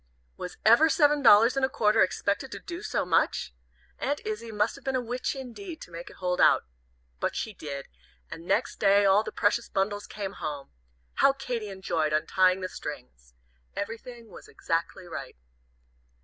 Was ever seven dollars and a quarter expected to do so much? Aunt Izzie must have been a witch, indeed, to make it hold out. But she did, and next day all the precious bundles came home. How Katy enjoyed untying the strings! Everything was exactly right.